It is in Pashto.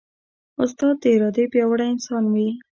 استاد د ارادې پیاوړی انسان وي.